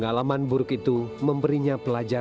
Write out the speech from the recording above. di dalam berarti ya